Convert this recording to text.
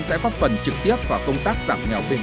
sẽ phát phần trực tiếp vào công tác giảm nghèo biệt vững